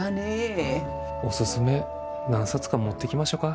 おすすめ何冊か持ってきましょか。